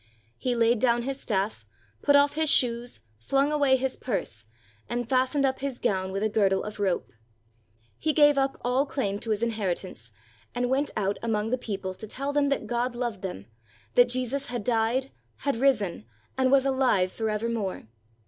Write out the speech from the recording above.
He laid down his staff, put off his shoes, flung away his purse, and fastened up his gown with a girdle of rope. He gave up all claim to his inheritance and went out among the peo ple to tell them that God loved them, that Jesus had died, had risen, and was alive forevermore.